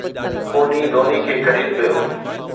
پوني ڌوني کي خريد ڪيو